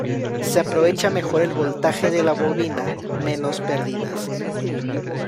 Se aprovecha mejor el voltaje de la bobina, menos perdidas.